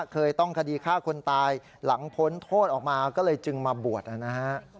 เคยต้องคดีฆ่าคนตายหลังพ้นโทษออกมาก็เลยจึงมาบวชนะฮะ